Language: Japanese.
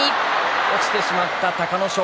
落ちてしまった隆の勝。